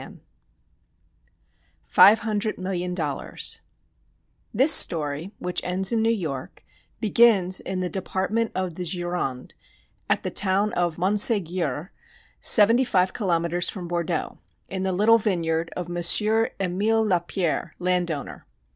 "] II Five Hundred Million Dollars This story, which ends in New York, begins in the Department of the Gironde at the town of Monségur, seventy five kilometers from Bordeaux, in the little vineyard of Monsieur Emile Lapierre "landowner."